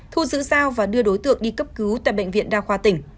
thu giữ dao và đưa đối tượng đi cấp cứu tại bệnh viện đa khoa tỉnh